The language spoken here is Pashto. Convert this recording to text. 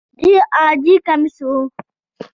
ډېر عادي کمیس و.